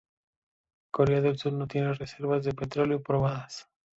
Corea del Sur no tiene reservas de petróleo probadas.